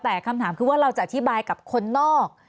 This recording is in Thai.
แต่คำถามคือว่าเราจะอธิบายกับคนนอก